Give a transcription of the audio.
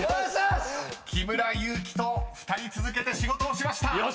［木村結木と２人続けて仕事をしました］